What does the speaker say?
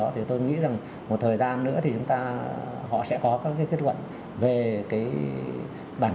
thì tôi nhớ rằng là